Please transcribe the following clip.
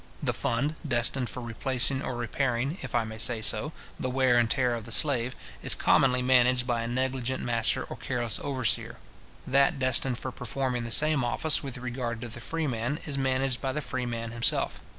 The fund destined for replacing or repairing, if I may say so, the wear and tear of the slave, is commonly managed by a negligent master or careless overseer. That destined for performing the same office with regard to the freeman is managed by the freeman himself.